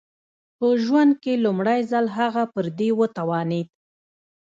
په ژوند کې لومړی ځل هغه پر دې وتوانېد